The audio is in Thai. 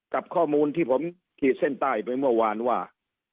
กับข้อมูลที่ผมขีดเส้นใต้ไปเมื่อวานว่า